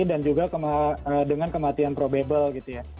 dan juga dengan kematian probable gitu ya